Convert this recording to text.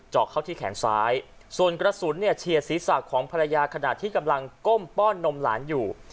อกเข้าที่แขนซ้ายส่วนกระสุนเนี่ยเฉียดศีรษะของภรรยาขณะที่กำลังก้มป้อนนมหลานอยู่